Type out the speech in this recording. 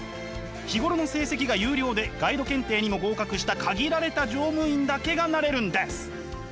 日頃の成績が優良でガイド検定にも合格した限られた乗務員だけがなれるんです。